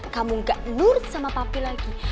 kamu gak nurut sama papi lagi